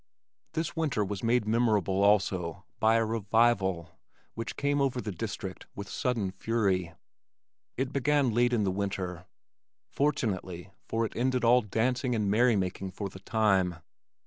This winter was made memorable also by a "revival" which came over the district with sudden fury. It began late in the winter fortunately, for it ended all dancing and merry making for the time.